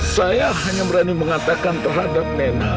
saya hanya berani mengatakan terhadap nena